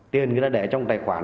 tiền người ta để trong tài khoản